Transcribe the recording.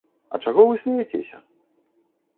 А чаго вы смяецеся?